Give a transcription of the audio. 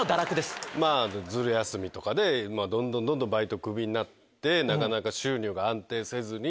ずる休みとかでどんどんバイトクビになってなかなか収入が安定せずに。